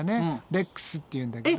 レックスっていうんだけど。